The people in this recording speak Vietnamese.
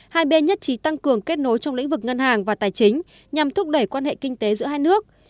hai bên nhất trí tăng cường kết nối trong lĩnh vực ngân hàng và tài chính nhằm thúc đẩy quan hệ kinh tế giữa hai nước